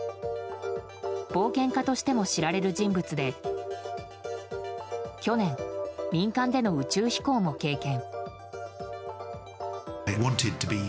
冒険家としても知られる人物で去年、民間での宇宙飛行も経験。